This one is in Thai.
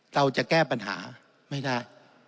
เราจะแก้ปัญหาไม่ได้